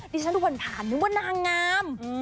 ดิฉันทุกวันผ่านนึกว่านางงาม